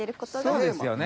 そうですよね。